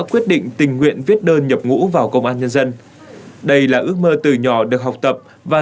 quyết định tình nguyện viết đơn nhập ngũ vào công an nhân dân đây là ước mơ từ nhỏ được học tập và